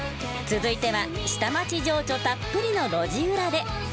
続いては下町情緒たっぷりの路地裏で。